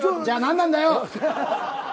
じゃあ何なんだよ！？